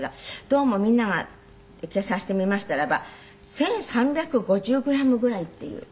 どうもみんなが計算してみましたらば１３５０グラムぐらいっていう事なんですよね？